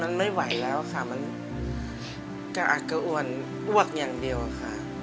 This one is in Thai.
มันไม่ไหวแล้วค่ะมันกระอักกระอวนอ้วกอย่างเดียวค่ะ